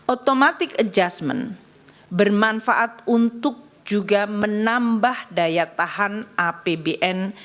automatic adjustment bermanfaat untuk juga menambah daya tahan apbn